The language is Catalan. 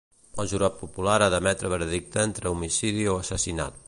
El jurat popular ha d'emetre veredicte entre homicidi o assassinat.